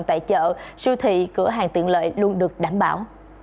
tại chợ siêu thị cửa hàng tiện lợi luôn được đảm bảo